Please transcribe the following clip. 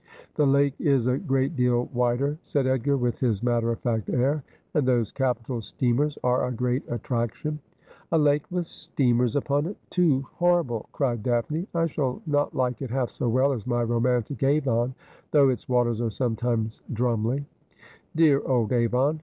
'^ J, ,' The lake is a great deal wider,' said Edgar, with his matter of fact air ;' and those capital steamers are a great attraction.' ^But I wot best wTier wrhigeth Me my Sho.^ 271 ' A lake with steamers upon it ! Too horrible !' cried Daphne. ' I shall not like it half so well as my romantic Avon, though its waters are sometimes " drumly." Dear old Avon